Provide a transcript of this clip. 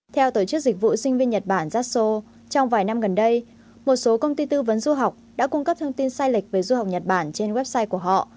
theo tổ chức dịch vụ sinh viên nhật bản zasso trong vài năm gần đây một số công ty tư vấn du học đã cung cấp thông tin sai lệch về du học nhật bản trên website của họ